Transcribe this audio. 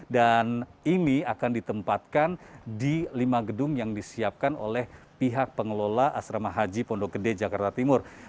dan ini akan ditempatkan di lima gedung yang disiapkan oleh pihak pengelola asrama haji pondok gede jakarta timur